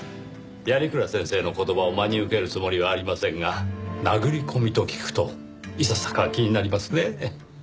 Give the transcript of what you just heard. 鑓鞍先生の言葉を真に受けるつもりはありませんが殴り込みと聞くといささか気になりますねぇ。